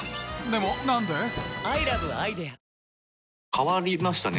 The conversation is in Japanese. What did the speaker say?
変わりましたね。